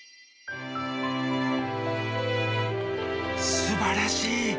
すばらしい。